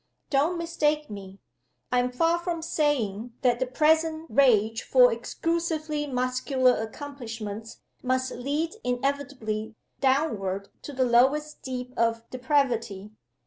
Don't mistake me! I am far from saving that the present rage for exclusively muscular accomplishments must lead inevitably downward to the lowest deep of depravity.